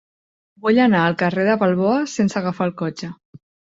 Vull anar al carrer de Balboa sense agafar el cotxe.